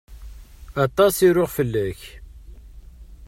Aṭas i ruɣ fell-ak.